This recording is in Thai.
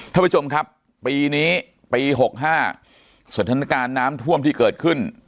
ท่านผู้ชมครับปีนี้ปี๖๕สถานการณ์น้ำท่วมที่เกิดขึ้น